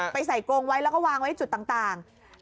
ไปใส่กรงไว้แล้วก็วางไว้จุดต่าง